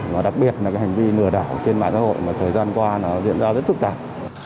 và đặc biệt là cái hành vi lừa đảo trên mạng xã hội mà thời gian qua nó diễn ra rất phức tạp